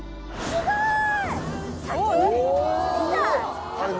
すごい！